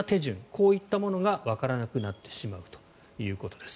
こういったものがわからなくなってしまうということです。